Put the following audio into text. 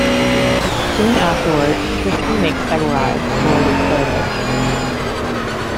Soon afterwards Tristan makes Segwarides Lord of Servage.